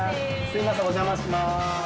すいませんお邪魔します。